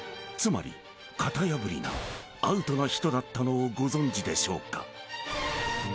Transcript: ［つまり型破りなアウトな人だったのをご存じでしょうか？］